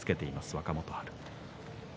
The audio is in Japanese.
若元春。